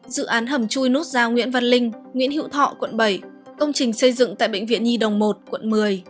dự án hầm chui nút giao nguyễn văn linh nguyễn hữu thọ quận bảy công trình xây dựng tại bệnh viện nhi đồng một quận một mươi